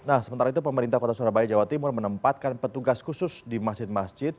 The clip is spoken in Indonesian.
nah sementara itu pemerintah kota surabaya jawa timur menempatkan petugas khusus di masjid masjid